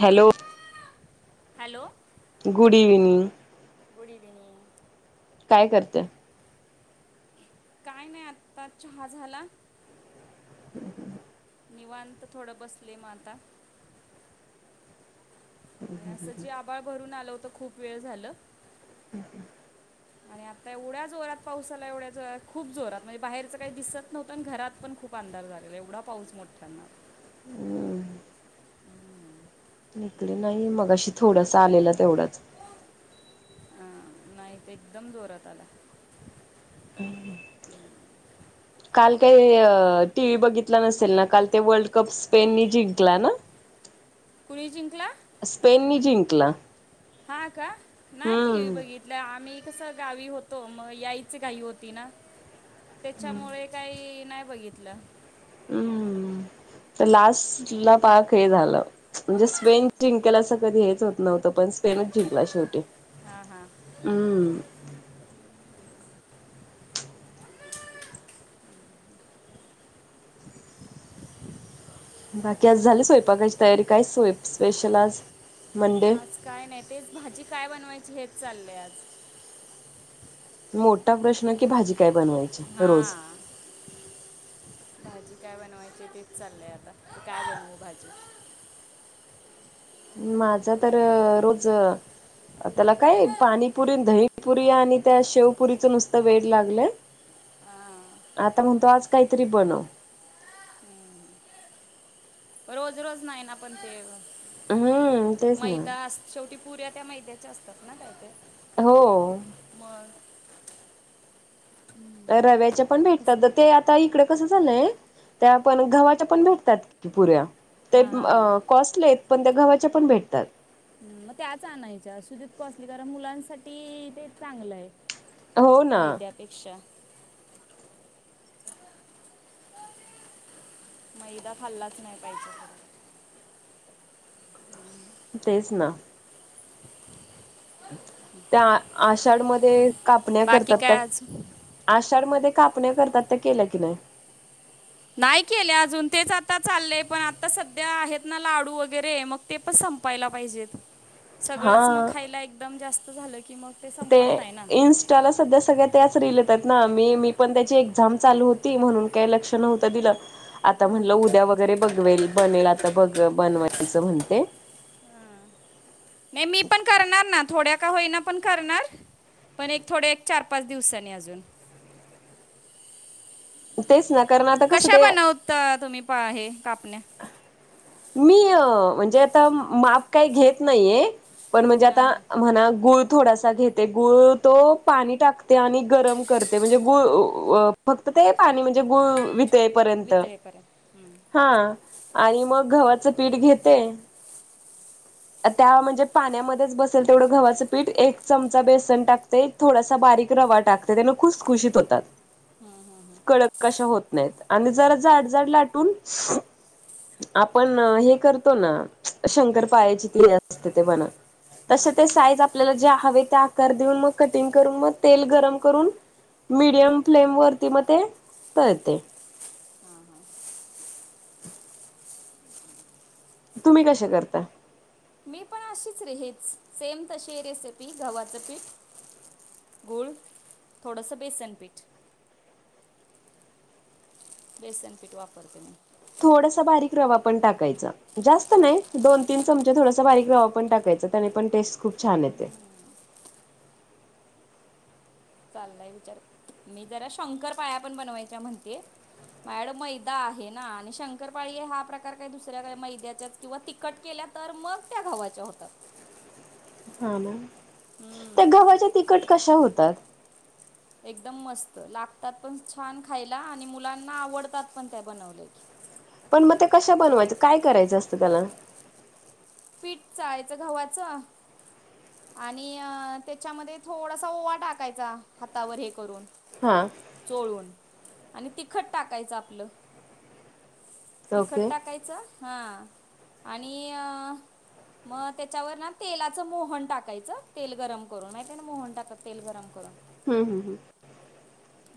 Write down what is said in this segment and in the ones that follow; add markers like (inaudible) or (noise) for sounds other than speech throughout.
Hello! (unintelligible) Hello! Good evening! Good evening! काय करते? काय नाही आता चहा झाला. (inaudible) निवांत थोडं बसले मग आता. आणि असं जे आबाळ भरून आलं होतं खूप वेळ झालं. हम् हम्. आणि आता एवढ्या जोरात पाऊस झाला एवढ्या जोरात खूप जोरात म्हणजे बाहेरचं काही दिसत नव्हतं घरात पण खूप अंधार झालेला एवढा पाऊस मोठ्यांना. हम्म. इकड नाही मगाशी थोडास आलेला तेवढच. अ नाही इथे एकदम जोरात आलाय. काल काही टी व्ही बघितला नसेल ना काल ते वर्ल्ड कप स्पेननी जिंकला ना? कुणी जिंकला? स्पेननी जिंकला. हा का? नाय टी वी हम्म बघि म्ह आम्ही कस गावी होतो मग याईच घाई होती ना त्याच्यामुळे काही नाही बघितलं. हम्म, तर लास्टला पाक हे झालं. म्हणजे स्पेन जिंकला असं कधी हेच होत नव्हतं पण स्पेनच जिंकला शेवटी. हां हां हम्म. बाकी आज झालं सोयपाकाची तयारी काय सोप स्पेशल आज मंडे? आज काय नाही तेच भाजी काय बनवायची हेच चाललंय आज. (inaudible) मोठा प्रश्न की भाजी काय बनवायची रोज. हां भाजी काय बनवायची तेच चाललंय आता, काय बनवू भाजी. माझा तर रोज त्याला काय पाणीपुरी, दहीपुरी आणि त्या शेवपुरीचं नुस त वेड लागलय आं आता म्हणतो आज काहीतरी बनव. हम्म रोज रोज नाय ना पण तेव. हम्म तेच ना मैदास शेवटी पुऱ्या त्या मैद्याच्या असतात ना काय ते. हो. मग हम्म, रव्याचे पण कसं भेटतात नाही? ते आ ता इकडे कसं झालंय त्या पण गव्हाच्या पण भेटतात पुऱ्या ते हां हां हां कॉस्टले आहेत पण ते गव्हाच्या पण भेटतात. म त्याच आणायच्या असं देत कॉस्टली कारण मुलांसाठी ते चांगलं आहे हो ना. मैद्यापेक्षा मैदा खाल्लाच नाय पाहिजे खरं. तेच ना. त्या खरं. आषाढमध्ये कापण्या बाकी करतात काय त्या आज आषाढ मध्ये कापण्या करतात ते केल्या की नाय? नाही केल्या अजून तेच आता चाललेय पण आता सध्या आहेत ना लाडू वगैरे मग ते पण सं पायला पाहिजेत. (inaudible) सगळंच मग हा खायला एकदम जास्त झालं की मग ते संपत नाही ना इंस् त्याला सध्या सगळ्या त्याच रिल येत्यात ना मी मी पण त्याची एक्झाम चालू होती म्हणून काय लक्ष नव्हतं दिलं आता म्हणलं उद्या वगैरे बघवेल बनवेल आता बघ बनवायचं म्हणते. (inaudible) नाई मी पण करणार ना थोड्या का होईना पण करणार. पण एक थोडं एक चार पाच दिवसानी अजून. तेच ना कारण आता कसं कशा ते बनवता तुम्ही पा हे कापण्या मी अ म्हणजे आता माप काही घेत नाहीये पण म्हणजे हां आता हां म्हणा गुळ थोडासा घेते गूळ तो पाणी टाकते आणि गरम करते म्हणजे गूळअ व फक्त ते पाणी म्हणजे गुळ वितळे पर्यंत वितळेपर्यंत हम्म. हां आणि मग गव्हाचं पीठ घेते त्या म्हणजे पाण्यामध्येच बसेल तेवढं गव्हाचं पीठ एक चमचा बेसन टाकते थोडासा बारीक रवा टाकते त्यामुळं खुस खुशीत होतात. हां हां हां. कडक कशा होत नाहीत आणि जरा जाड जाड लाटून आपण हे करतो ना शंकर पाळ्याची ती असते ते बना तसे ते साईज आपल्याला ज्या हवे ते आकार देऊन मग कटिंग करून मग तेल गरम करून मीडियम फ्लेम वरती म ते तळते. हां हां. तुम्ही कशे करता? मी पण अशीच रे हेच सेम तशी रेसिपी गव्हाचं पीठ गुळ थोडसा बेसनपीठ बेसनपीठ वापरते मी. थोडासा बारीक रवा पण टाकायचा जास्त नाय दोन तीन चमचे थोडासा बारीक रवा पण टाकायचा त्याने पण टेस्ट खूप छान येते. चाललाय विचार मी जरा शंकरपाळ्या पण बनवायच्या म्हणते. माझ्याकडं मैदा आहे ना आणि शंकरपाळी हा प्रकार काय दुसऱ्या काय मैद्याच्याच... किंवा तिखट केल्या तर मग त्या गव्हाच्या होतात. हां ना त्या हम्म गव्हाच्या तिखट कशा होतात? एकदम मस्त, लागतात पण छान खायला आणि मुलांना आवडतात पण त्या बनवलेल्या पण मग ते कश्या बनवायचे? काय करायचं असतं त्याला? पीठ चाळायचं गव्हाचं आणि त्याच्यामध्ये थोडासा ओवा टाकायचा. हातावर हे करून हा चोळून आणि तिखट टाकायचं आपलं. तिखट ओके टाकायचं हां आणि अं... मं त्याच्यावर ना तेलाचं मोहन टाकायचं तेल गरम करून, माहितेय आहे ना मोहन टाकतात तेल गरम करून? हं हं हं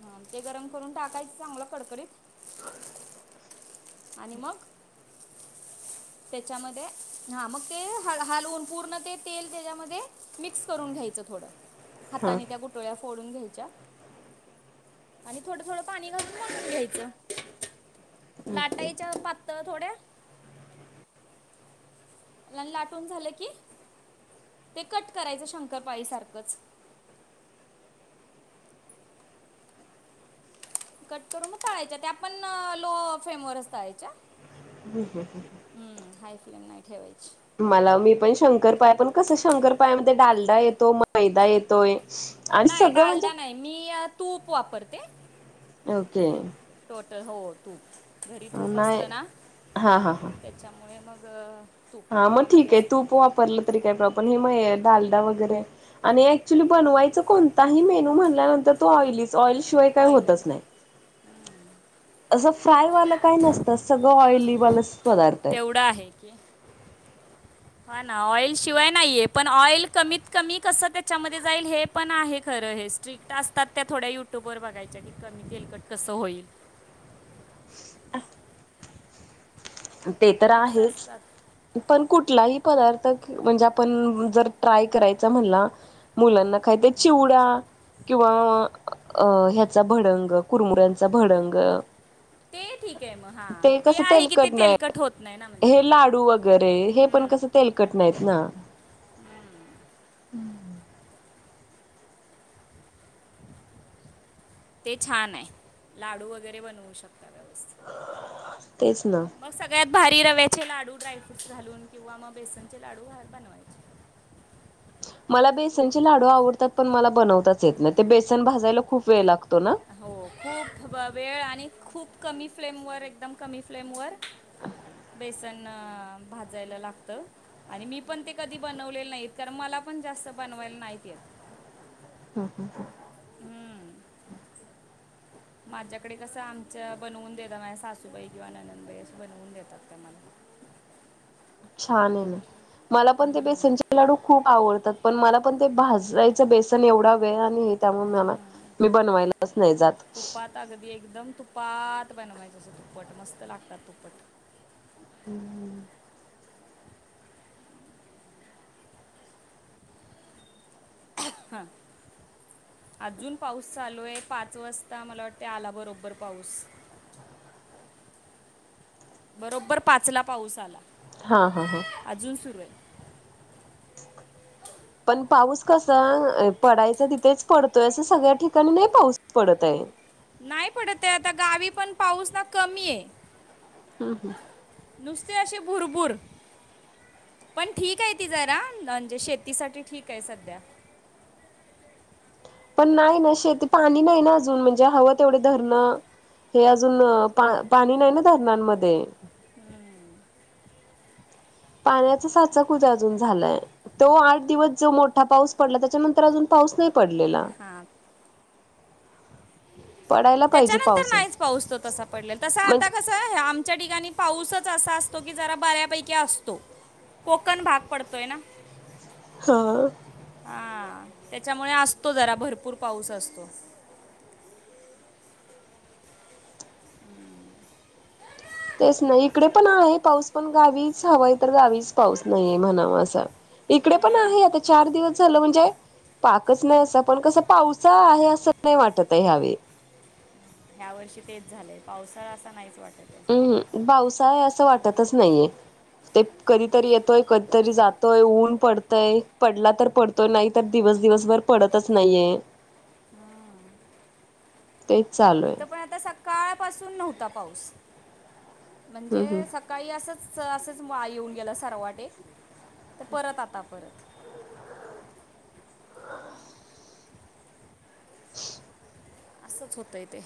हा ते गरम करून टाकायचं चांगलं कडकडीत आणि मग त्याच्यामध्ये हा मग ते हल हलवून पूर्ण ते तेल त्याच्यामध्ये मिक्स करून घ्यायचं. थोड हा हातानी त्या गुठळ्या फोडून घ्यायच्या. आणि थोडं थोडं पाणी घालुन, मळुन घ्यायचं ओके. लाटायच्या पातळ थोड्या लाटून झालं की, ते कट करायचं शंकरपाळीसारखंच कट करून तळायच्या त्या पण लो फेम वरच तळायच्या हं हं हं हं हाय फ्लेम नाही ठेवायची. मला मी पण शंकरपाळ्या पण कसं शंकरपाळ्यामध्ये डालडा येतो. मैदा येतोय आणि नाही सगळं म्हणजे डालडा नाही मी यात तूप वापरते. ओके (inaudible) हो तूप घरी तूप नाही असतं ना हा हा हा. त्याच्यामुळे मग तूप हा मग ठीक आहे तुपामध्येच तूप वापरलं तरी काय प्रॉब्लेम आपण हे मग डालडा वगैरे आणि एक ॲक्चुली बनवायच कोणताही मेनू म्हणल्यानंतर तो ऑइलीच ऑइलशिवाय काही ऑइली होतच नाही. असं फ्राय वालं काही नसतच. सगळं ऑइली वालच पदार्थ आहेत पुढ आहे की, हा ना ऑइल शिवाय नाहीये पण ऑइल कमीत कमी कसं त्याच्यामध्ये जाईल हे पण आहे खरं हेच ट्रीक्ट असतात. त्या थोड्या युट्यूबवर बघायच्या की कमी तेलकट कसं होईल. (inaudible) ते तर टिप्स आहेच. असतात पण कुठलाही पदार्थ म्हणजे आपण जर ट्राय करायचा म्हणला. मुलांना काय ते चिवडा किंवा अ ह्याचा भडंग, कुरमुुऱ्यांचा भडंग. ते ठीक आहे मग हा ते कसं आहे कि ते तेलकट तेलकट होत नाही ना म्हणजे हे लाडू वगैरे हे पण हम्म, कसं तेलकट नाहीत ना ते छान आहे लाडू वगैरे बनवू शकतात. तेच ना. मग सगळ्यात भारी रव्याचे लाडू ड्रायफ्रूट्स घालून किंवा मग बेसनचे लाडू बनवायचे. मला बेसनचे लाडू आवडतात. पण मला बनवताच येत नाही. ते बेसन भाजायला खूप वेळ लागतो ना? हो खूप वेळ आणि खूप कमी फ्लेमवर एकदम कमी फ्लेमवर- ह (unintelligible) बेसन भाजायला लागतय. आणि मी पण ते कधी बनवलेले नाहीत. कारण मला पण जास्त बनवायला नाहीत येत. हं. हं. हं. हम्म. माझ्याकडे कसं आमच्या बनवून देतात. माझ्या सासूबाई किंवा ननंदबाई असे बनवून देतात त्या मला. छान ए ना. मला पण ते हम्म, बेसनचे लाडू खूप आवडतात. पण मला पण ते भाजायचं बेसन एवढा वेळ आणि- त्यामुळे ना हम्म. मी बनवायलाच नाही जात. तुपात अगदी एकदम तुपात बनवायचं. असं तुप्पट मस्त लागतात तुप्पट. हं. स अजून पाऊस चालू ए. पाच वाजता मला वाटते आला बरोबर पाऊस. ह बरोबर पाचला पाऊस आला. हो. हो. हो. अजून सुरू ए. पण पाऊस कसा पडायचा तिथेच पडतोय. असं सगळ्या ठिकाणी नाही पाऊस पडत ए. नाही पडत ए. आता गावी पण पाऊस ना कमी आहे. हम्म हम्म. नुसती अशी भुरभूर. पण ठीक आहे ती जरा. म्हणजे शेतीसाठी ठीक आहे सध्या. पण नाही ना शेती. पाणी नाही ना अजून. म्हणजे हवं तेवढे धरणं- हो अजून पाणी नाही ना धरणांमध्ये. हं. पाण्याचा साचा कुठ अजून झालाय? तो आठ दिवस जो मोठा पाऊस पडला. त्याच्यानंतर अजून पाऊस नाही पडलेला. हा. पडायला पाहिजे त्याच्यानंतर पाऊस नाहीच पाऊस तो तसा पडलेला. तसा आता म्हणजे कस- हो हो. आमच्या ठिकाणी पाऊसच असा असतो की जरा बऱ्यापैकी असतो. कोकण भाग पडतोय ना? हां. हां. त्याच्यामुळे असतो जरा, भरपूर पाऊस असतो. हम्म. तेच ना. इकडे पण आहे पाऊस. पण गावीच हवा आहे तर गावीच पाऊस नाहीये म्हणावा असा. इकडे पण आहे. आता चार दिवस झालं म्हणजे- पाकच नाही असा. पण कस पावसाळा आहे असं नाही वाटत आहे ह्यावे- या वर्षी तेच झालंय पावसाळा असा नाहीच वाटत ए. हम्म. पावसाळा ए असं वाटतच नाहीये. ते कधीतरी येतोय. कधीतरी जातोय. ऊन पडतय पडला तर पडतो. तो नाही तर दिवस दिवसभर पडतच नाहीये. तेच चालू आहे. इथं पण आता सकाळपासून नव्हता पाऊस. हम्म म्हणजे सका- -काळी असंच असंच (unintelligible) येऊन गेला. सर्वटे तर परत आता परत. (inaudible) असंच होतंय ते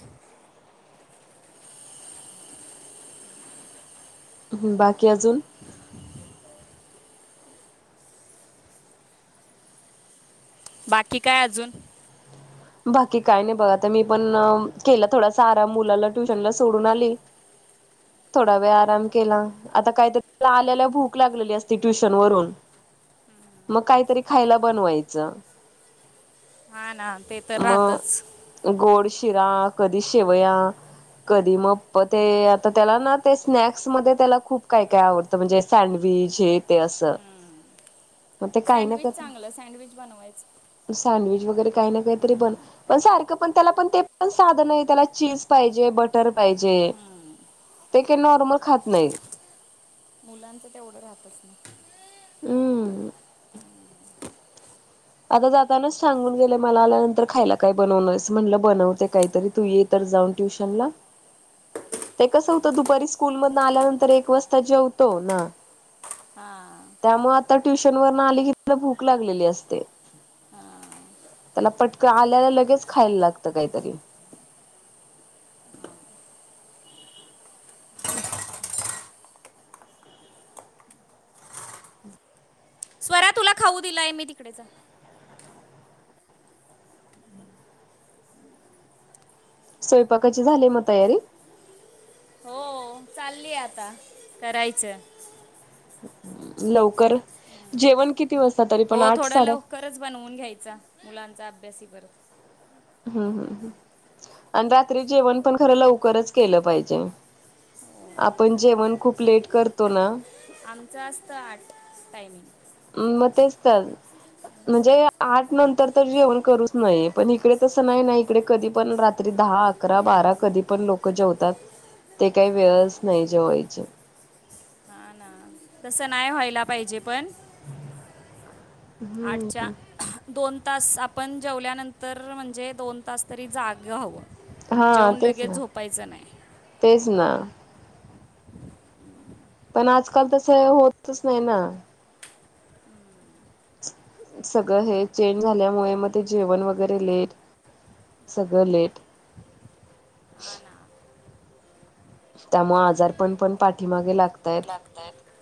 बाकी अजून (inaudible) बाकी काय अजून बाकी काय नाही बघा आता मी पण केला थोडासा आराम मुलाला ट्युशनला सोडून आली. थोडा वेळ आराम केला आता काहीतरी आल्याला भूक लागलेली असती ट्युशन वरून. मग काहीतरी खायला बनवायचं. हा ना ते तर राहतंच. मग गोड शिरा कधी शेवया कधी मग ते आता त्याला ना ते स्नॅक्स मध्ये त्याला खूप काय काय आवडत. म्हणजे सँडविच हे ते असं मग ते काही ना सँडविच काही चांगलं सँडविच बनवायचं. सँडविच वगैरे काही ना काहीतरी बन पण सारखं पण त्याला पण ते पण साध नाही त्याला चीज पाहिजे, बटर पाहिजे हं. ते काही नॉर्मल खात नाही. मुलांचं तेवढं राहतंच ना. हमं, आता जातानाच सांगून गेले मला आल्या नंतर खायला काय बनवणार आहेस म्हणलं बनवते काहीतरी तू ये. तर जाऊन ट्युशन ला. ते कसं होतं दुपारी स्कूल मधनं आल्यानंतर एक वाजता जेवतो ना, हा. त्यामुळे आता ट्युशन वर न आली की तिला भूक लागलेली असते. हां त्याला पटकं आल्याला लगेच खायला लागतं काहीतरी. हम्, स्वरा तुला खाऊ दिलाय मी तिकडे जा. स्वयंपाकाची झाली मग तयारी. हो चालली आता करायचं. लवकर जेवण किती वाजता तरी पण हो आठ थोडं साडे लवकरच बनवून घ्यायचा मुलांचा अभ्यासी करत. हम्म हम्, आणि रात्री जेवण पण खरं लवकरच केलं पाहिजे. आपण जेवण खूप लेट करतो ना, आमचं असतं आठ टायमिंग. मग तेच तर म्हणजे आठ नंतर तर जेवण करूच नये पण इकडे तस नाही ना, इकडे कधी पण रात्री रात्री दहा, अकरा, बारा कधी पण लोक जेवतात ते काही वेळच नाही जेवायचे. हा ना, तसं नाही व्हायला पाहिजे पण आठच्या दोन तास आपण जेवल्यानंतर म्हणजे दोन तास तरी जागा हवं. हा जेवूण तेच लगेच ना झोपायचं नाही. तेच ना, पण आजकाल तसं होतच नाही ना, सगळं हे चेंज झाल्यामुळे मग ते जेवण वगैरे लेट सगळं लेट आ ना, त्यामुळे आजारपण पण पाठीमागे लागताय. तर